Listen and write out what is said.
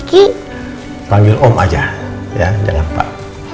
kiki panggil om aja ya jangan pak